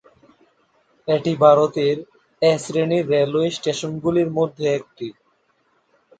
এটি ভারতের 'এ' শ্রেণির রেলওয়ে স্টেশনগুলির মধ্যে একটি।